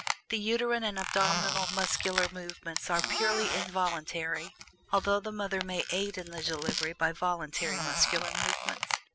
The uterine and abdominal muscular movements are purely involuntary, although the mother may aid in the delivery by voluntary muscular movements.